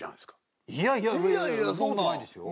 いやいやそんな事ないですよ。